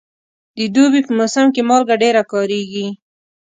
د دوبي په موسم کې مالګه ډېره کارېږي.